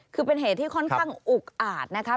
คือเป็นเหตุที่ค่อนข้างอุกอาจนะครับ